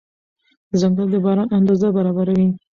ځنګل د باران اندازه برابروي.